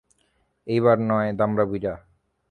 এইবার নয়, দামড়া বুইড়া।